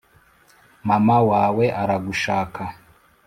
mama wawe aragushaka